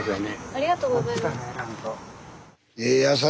ありがとうございます。